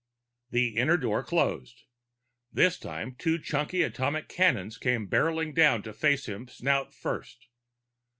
The inner door closed. This time, two chunky atomic cannons came barreling down to face him snout first.